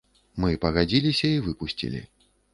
Мы пагадзіліся і выпусцілі.